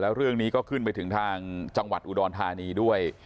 แล้วเรื่องนี้ก็ขึ้นไปถึงทางจังหวัดอุดรธานีด้วย